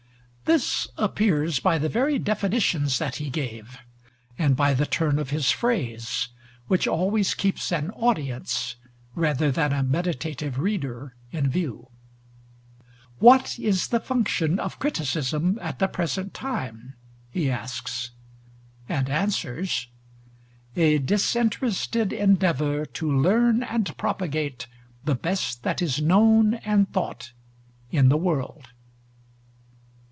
This appears by the very definitions that he gave, and by the turn of his phrase, which always keeps an audience rather than a meditative reader in view. "What is the function of criticism at the present time?" he asks, and answers "A disinterested endeavor to learn and propagate the best that is known and thought in the world."